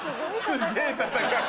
すげぇ戦い。